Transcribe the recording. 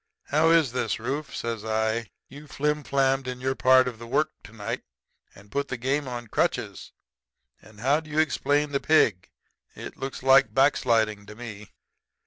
"'How is this, Rufe?' says I. 'You flimflammed in your part of the work to night and put the game on crutches. And how do you explain the pig? It looks like back sliding to me.'